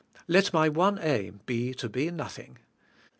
Let my one aim be to be nothing.